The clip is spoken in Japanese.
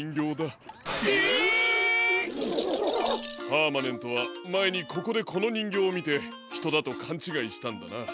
パーマネントはまえにここでこのにんぎょうをみてひとだとかんちがいしたんだな。